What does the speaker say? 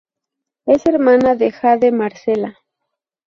Es hermana de Jade Marcela.